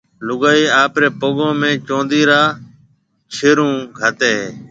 لوگائيَ آپريَ پگون ۾ چوندِي را ڇيرون گھاتيَ ھيَََ